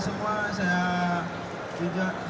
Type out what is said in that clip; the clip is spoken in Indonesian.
sebagai ketua jw pasir